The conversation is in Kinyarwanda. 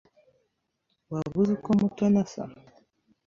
Waba uzi uko Mutoni asa?